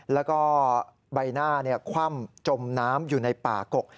แล้วก็ใบหน้าคว่ำจมน้ำอยู่ในป่ากก